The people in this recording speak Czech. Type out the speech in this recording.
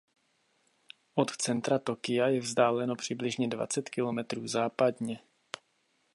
Od centra Tokia je vzdáleno přibližně dvacet kilometrů západně.